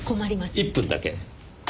１分だけ。